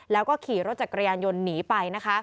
แล้วก็ขี่รถจักรยานยนต์หนีไปนะคะ